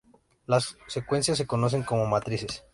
Las secuencias se conocen como matrices.